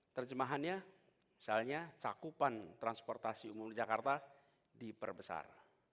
terjemahannya misalnya cakupan transportasi umum di jakarta diperbesar